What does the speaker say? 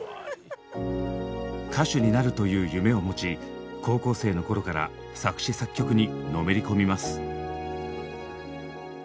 歌手になるという夢を持ち高校生の頃から作詞・作曲にのめり込みます。